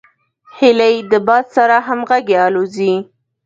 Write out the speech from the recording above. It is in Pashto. هیلۍ د باد سره همغږي الوزي